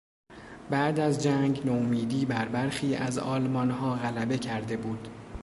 بعد از جنگ نومیدی بر برخی از آلمانها غلبه کرده بود.